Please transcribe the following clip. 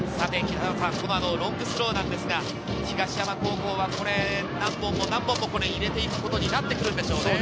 ロングスローなんですが、東山高校は何本も入れていくことになってくるんでしょうね。